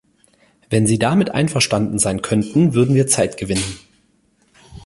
Wenn Sie damit einverstanden sein könnten, würden wir Zeit gewinnen.